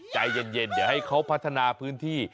ใจเย็นเดี๋ยวให้เขาพัฒนาพื้นที่